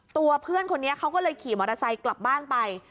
ตัวเพื่อนคนนี้เขาก็เลยขี่มอเตอร์ไซค์กลับบ้านไป